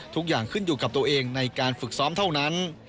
ทุกอย่างขึ้นอยู่กับตัวเองในการฝึกซ้อมเท่านั้น